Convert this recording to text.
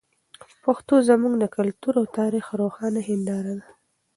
پښتو زموږ د کلتور او تاریخ روښانه هنداره ده.